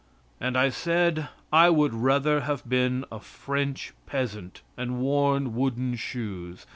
And I said I would rather have been a French peasant and worn wooden shoes.